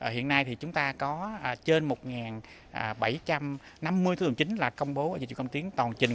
hiện nay thì chúng ta có trên một bảy trăm năm mươi thủ tục hành chính là công bố ở dịch vụ công tiến toàn trình